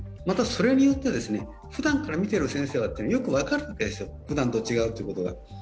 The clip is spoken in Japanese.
また、それによってふだんから診ている先生はよく分かるんですよ、ふだんと違うということが。